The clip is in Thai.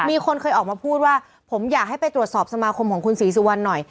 มีคนเคยออกมาพูดว่าผมอยากให้ไปตรวจสอบสมาคมของคุณศรีสุวรรณหน่อย